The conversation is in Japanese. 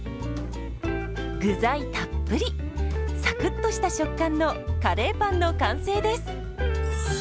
具材たっぷりサクッとした食感のカレーパンの完成です。